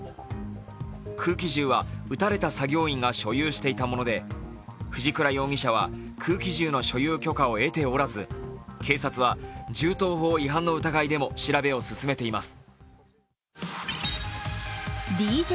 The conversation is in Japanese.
空気銃は撃たれた作業員が所有していたもので、藤倉容疑者は空気銃の所有許可を得ておらず、警察は銃刀法違反の疑いでも調べを進めています。